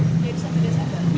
iya satu desember